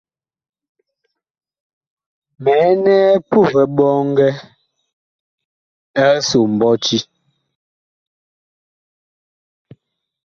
Mi ɛnɛɛ puh ɓɔngɛ ɛg so mɓɔti.